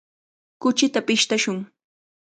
Kuchita pishtashun.